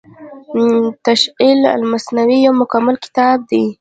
تشعيل المثنوي يو مکمل کتاب دی